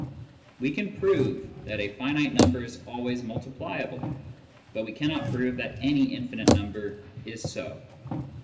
We can prove that a. finite number is always multipliable, but we cannot prove that any infinite number is so.